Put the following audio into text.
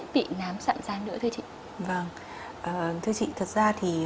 bị nám sạm ra nữa thưa chị vâng thưa chị thật ra thì